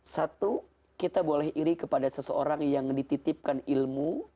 satu kita boleh iri kepada seseorang yang dititipkan ilmu